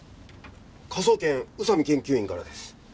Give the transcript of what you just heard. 科捜研宇佐見研究員からです。